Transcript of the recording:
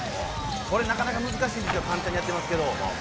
これ、なかなか難しいんですよ、簡単にやってますけど。